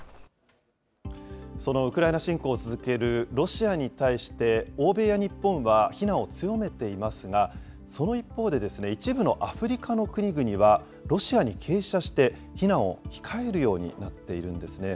そのウクライナ侵攻を続けるロシアに対して、欧米や日本は非難を強めていますが、その一方で、一部のアフリカの国々は、ロシアに傾斜して、非難を控えるようになっているんですね。